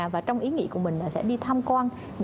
và trong ý nghĩa của mình là sẽ đi thăm quan